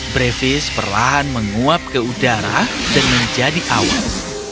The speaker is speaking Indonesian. brevis perlahan menguap ke udara dan menjadi awan